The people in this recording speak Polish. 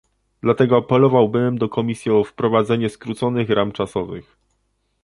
Dlatego apelowałbym do Komisji o wprowadzenie skróconych ram czasowych